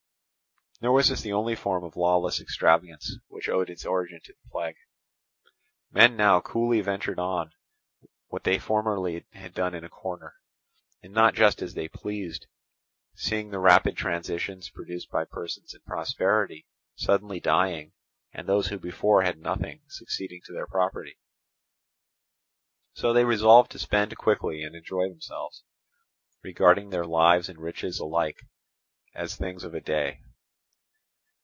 Nor was this the only form of lawless extravagance which owed its origin to the plague. Men now coolly ventured on what they had formerly done in a corner, and not just as they pleased, seeing the rapid transitions produced by persons in prosperity suddenly dying and those who before had nothing succeeding to their property. So they resolved to spend quickly and enjoy themselves, regarding their lives and riches as alike things of a day.